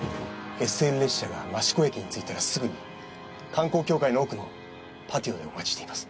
ＳＬ列車が益子駅に着いたらすぐに観光協会の奥のパティオでお待ちしています。